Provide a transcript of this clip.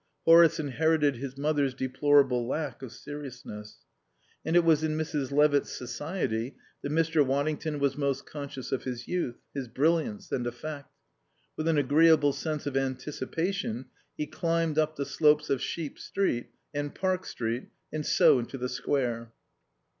(Horace inherited his mother's deplorable lack of seriousness.) And it was in Mrs. Levitt's society that Mr. Waddington was most conscious of his youth, his brilliance and effect. With an agreeable sense of anticipation he climbed up the slopes of Sheep Street and Park Street, and so into the Square.